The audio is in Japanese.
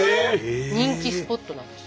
人気スポットなんですよ。